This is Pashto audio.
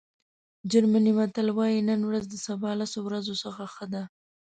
جرمني متل وایي نن ورځ د سبا لسو ورځو څخه ښه ده.